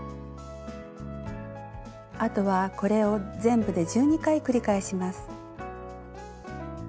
あとはこれを全部で１２回繰り返します。